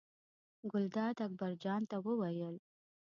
ګلداد اکبر جان ته وویل.